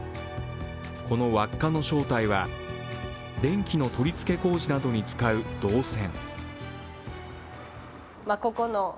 この輪っかの正体は、電気の取りつけ工事などに使う銅線。